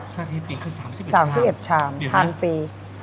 สถิติคือ๓๑ชามทานฟรี